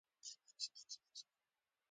کله چې د ژوند تارونه يې سره يو ځای پييل کېږي.